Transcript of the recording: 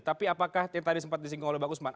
tapi apakah yang tadi sempat disingkong oleh pak usman